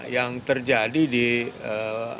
yang terjadi di ada pegawai kemenkyu yang melakukan itu